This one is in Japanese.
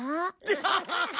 アハハハハ！